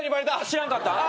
知らんかった？